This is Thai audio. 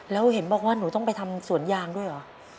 แล้วเห็นบอกว่าหนูต้องไปทำสวนยางด้วยเหรอ